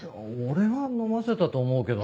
俺は飲ませたと思うけどな。